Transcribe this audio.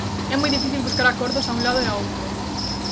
É moi difícil buscar acordos a un lado e ao outro.